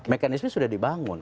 mekanisme sudah dibangun